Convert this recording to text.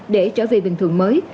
để trở về bình thường mới